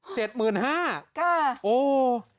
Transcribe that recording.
กล้าโอ้โห